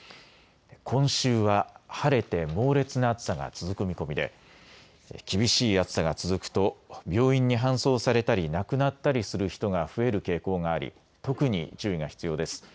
今週は晴れて猛烈な暑さが続く見込みで厳しい暑さが続くと病院に搬送されたり亡くなったりする人が増える傾向があり特に注意が必要です。